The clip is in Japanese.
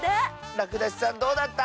らくだしさんどうだった？